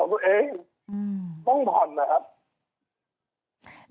ต้องผ่อนนะครับ